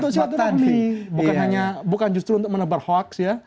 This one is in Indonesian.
untuk siatur agni bukan hanya bukan justru untuk menebar hoaks ya